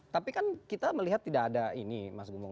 tapi kan kita melihat tidak ada ini mas gumung